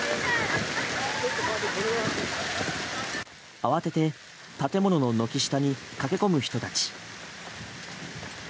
慌てて建物の軒下に駆け込む人たち。